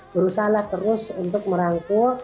berusahalah terus untuk merangkul